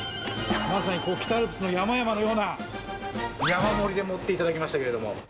まさに北アルプスの山々のような、山盛りで盛っていただきましたけれども。